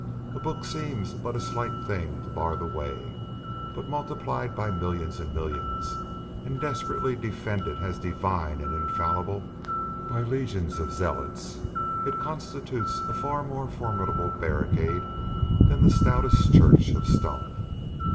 A book seems but a slight thing to bar the way; but multiplied by millions and millions, and desperately defended as divine and infallible by legions of zealots, it constitutes a far more formidable barricade than the stoutest church of stone.